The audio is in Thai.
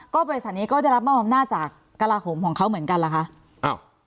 บริษัทนี้ก็ได้รับมอบอำนาจจากกระลาโหมของเขาเหมือนกันล่ะคะ